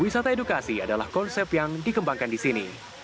wisata edukasi adalah konsep yang dikembangkan di sini